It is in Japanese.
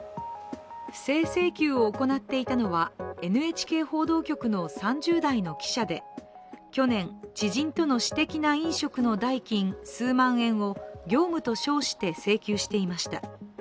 不正請求を行っていたのはＮＨＫ報道局の３０代の記者で、去年、知人との私的な飲食の代金数万円を業務と称して請求していました。